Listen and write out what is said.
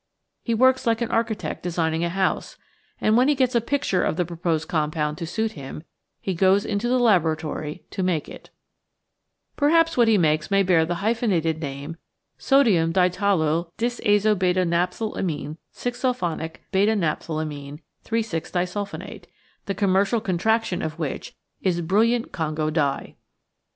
He works like an architect designing a house, and when he gets a picture of the proposed compound to suit him he goes into the laboratory to make it. Perhaps what he makes may bear the hyphenated name "sod ium ditolyl disazo beta naphthylamine 6 sulfonic beta naphthyl amine 3.6 disulfonate" the commercial contraction of which is "Brilliant Congo Dye"!